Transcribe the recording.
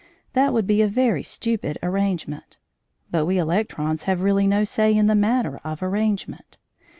That would be a very stupid arrangement, but we electrons have really no say in the matter of arrangement.